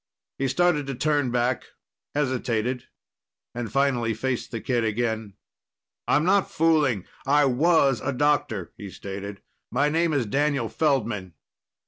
He started to turn back, hesitated, and finally faced the kid again. "I'm not fooling. And I was a doctor," he stated. "My name is Daniel Feldman."